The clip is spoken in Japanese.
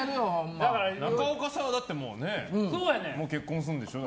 中岡さんは、だってもう結婚するんでしょう？